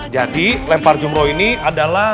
jadi lempar jumroh ini adalah